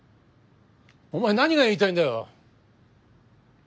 お前何が言いたいんだよ！